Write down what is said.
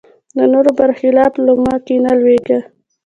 د نورو بر خلاف لومه کې نه لویېږي